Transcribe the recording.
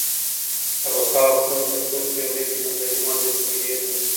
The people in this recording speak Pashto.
د پخوا وختونو په تورو پېړيو کي مذهبي محدوديتونه ډېر وو.